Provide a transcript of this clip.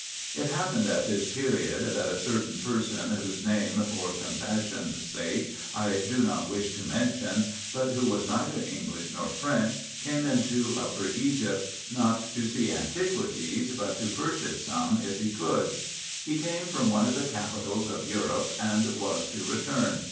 It happened at this period that a certain person, whose name, for compassion's sake, I do not wish to mention, but who was neither English nor French, came into 3a2 364 RESEARCHES AND OPERATIONS Upper Egypt, not to see antiquities, but to purchase some if he could. He came from one of the capitals of Europe, and was to return.